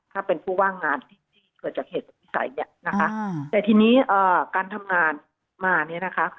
ถ้าเป็นผู้ว่างงานที่ที่เกิดจากเหตุวิสัยเนี่ยนะคะแต่ทีนี้การทำงานมาเนี่ยนะคะ